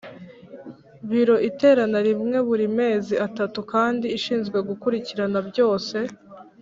Biro iterana rimwe buri mezi atatu kandi ishinzwe gukurikirana byose